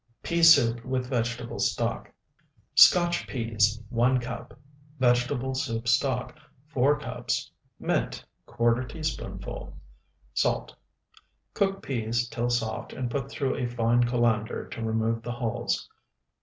PEA SOUP WITH VEGETABLE STOCK Scotch peas, 1 cup. Vegetable soup stock, 4 cups. Mint, ¼ teaspoonful. Salt. Cook peas till soft and put through a fine colander to remove the hulls.